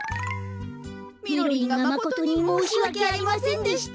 みろりんがまことにもうしわけありませんでした。